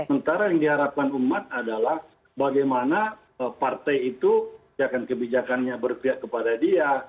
sementara yang diharapkan umat adalah bagaimana partai itu kebijakannya berpihak kepada dia